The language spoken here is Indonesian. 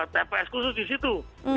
tps khusus di situ